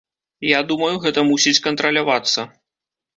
Я думаю, гэта мусіць кантралявацца.